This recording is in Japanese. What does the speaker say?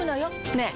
ねえ。